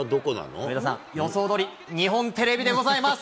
上田さん、予想どおり、日本テレビでございます。